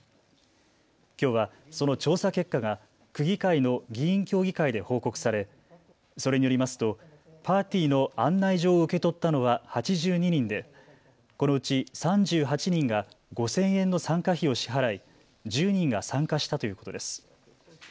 きょうは、その調査結果が区議会の議員協議会で報告されそれによりますとパーティーの案内状を受け取ったのは８２人で、このうち３８人が５０００円の参加費を支払い１０人が参加したということです。